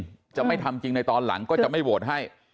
ถ้าจะไม่ทำจริงในตอนหลังก็จะไม่โหวตให้